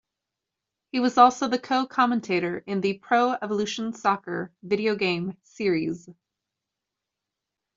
He was also the co-commentator in the "Pro Evolution Soccer" video game series.